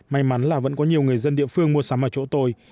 may mắn là vẫn có nhiều người dân địa phương mua sắm ở chỗ tôi